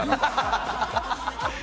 ハハハハハ！